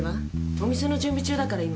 お店の準備中だから今。